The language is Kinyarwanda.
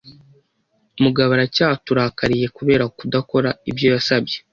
Mugabo aracyaturakariye kubera kudakora ibyo yasabye.